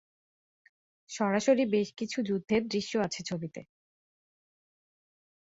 সরাসরি বেশ কিছু যুদ্ধের দৃশ্য আছে ছবিতে।